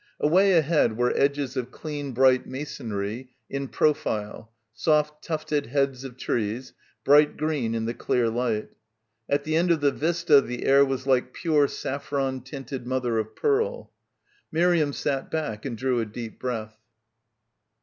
Away ahead were edges of clean bright masonry in profile, soft tufted heads of trees, bright green in the clear light. At the end of the vista the air was like pure saffron tinted mother of pearl. Miriam sat back and drew a deep breath.